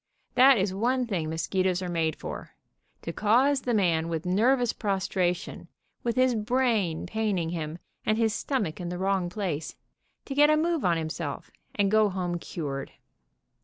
That is one thing mosquitoes are made for, to cause the man with nervous prostra tion, with his brain paining him, and his stomach in the wrong place, to get a move on himself, and go home cured.